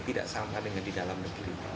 tidak sama dengan di dalam negeri